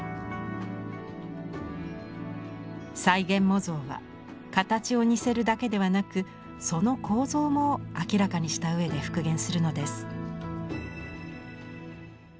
再現模造は形を似せるだけではなくその構造も明らかにしたうえで復元するのです。